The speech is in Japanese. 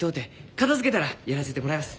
片づけたらやらせてもらいます。